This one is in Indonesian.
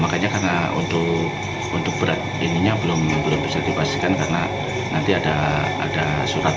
makanya karena untuk berat ininya belum bisa dipastikan karena nanti ada surat